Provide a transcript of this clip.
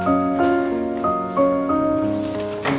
terima kasih om